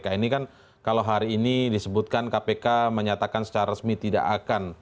kalian tahu vmports itu apa